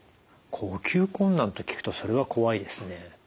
呼吸困難と聞くとそれは怖いですね。